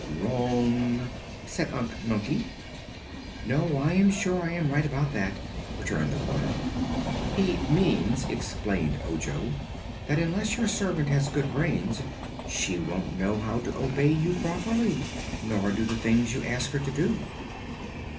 "Wrong," said Unc Nunkie. "No; I am sure I am right about that," returned the woman. "He means," explained Ojo, "that unless your servant has good brains she won't know how to obey you properly, nor do the things you ask her to do."